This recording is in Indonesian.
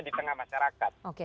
di tengah masyarakat